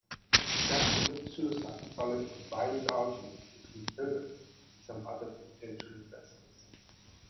Jack commits suicide following a violent argument between Herbert and some other potential investors.